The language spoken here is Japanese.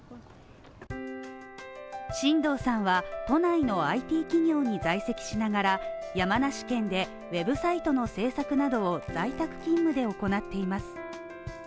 新藤さんは都内のＩＴ企業に在籍しながら、山梨県でウェブサイトの制作などを在宅勤務で行っています。